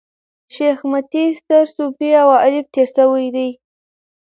شېخ متي ستر صوفي او عارف تېر سوی دﺉ.